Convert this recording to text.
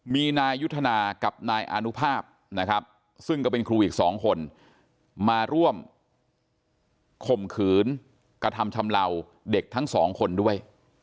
มีนายยุทธนากับนายอานุภาพนะครับซึ่งก็เป็นครูอีก๒คนมาร่วมข่มขืนกระทำชำเลาเด็กทั้งสองคนด้วย